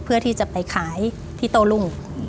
เพื่อที่จะไปขายที่โต้รุ่ง